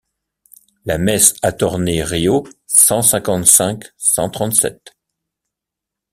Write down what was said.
La messe attornée Riault cent cinquante-cinq cent trente-sept.